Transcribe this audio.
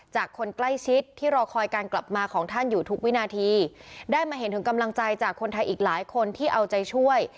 คนใกล้ชิดที่รอคอยการกลับมาของท่านอยู่ทุกวินาทีได้มาเห็นถึงกำลังใจจากคนไทยอีกหลายคนที่เอาใจช่วย